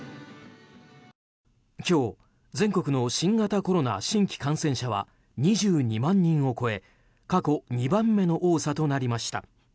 今日、全国の新型コロナ新規感染者は２２万人を超え過去２番目の多さとなりました。